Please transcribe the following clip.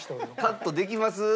カットできます？